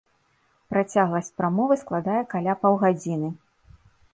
Працягласць прамовы складае каля паўгадзіны.